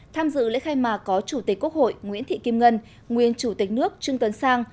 tham dự lễ khai mạc có chủ tịch quốc hội nguyễn thị kim ngân nguyên chủ tịch nước trương tấn sang